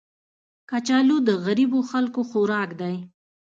کچالو د غریبو خلکو خوراک دی